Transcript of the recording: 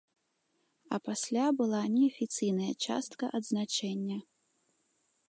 А пасля была неафіцыйная частка адзначэння.